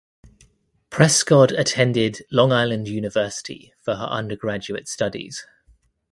Prescod attended Long Island University for her undergraduate studies.